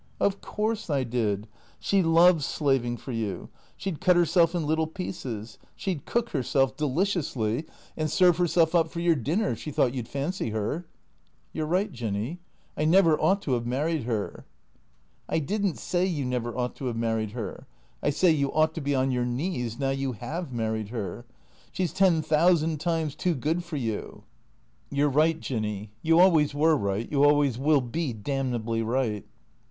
" Of course I did. She loves slaving for you. She 'd cut her self in little pieces. She 'd cook herself — deliciously — and 372 THE CREATORS serve herself up for your dinner if she thought you 'd fancy her.'' " You 're right, Jinny. I never ought to have married her." " I did n't say you never ought to have married her. I say you ought to be on your knees now you have married her. She 's ten thousand times too good for you." " You 're right, Jinny. You always were right, you always will be damnably right."